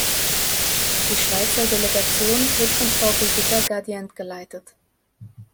Die Schweizer Delegation wird von Frau Brigitta Gadient geleitet.